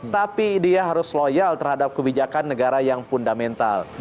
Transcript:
tapi dia harus loyal terhadap kebijakan negara yang fundamental